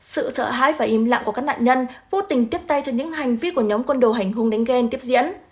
sự sợ hãi và im lặng của các nạn nhân vô tình tiếp tay cho những hành vi của nhóm quân đồ hành hung đánh tiếp diễn